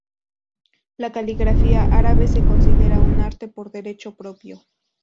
La caligrafía árabe se considera un arte por derecho propio.